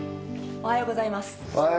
おはようございます。